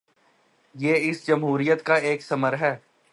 یہ اس جمہوریت کا ایک ثمر ہے۔